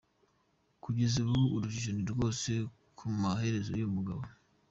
Kugeza ubu urujijo ni rwose ku maherezo y’uyu mugabo.